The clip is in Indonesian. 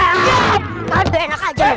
tidak ada enak aja